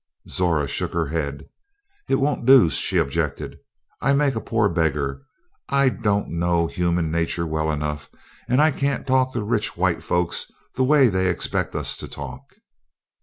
Zora shook her head. "It won't do," she objected. "I'd make a poor beggar; I don't know human nature well enough, and I can't talk to rich white folks the way they expect us to talk."